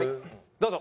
どうぞ。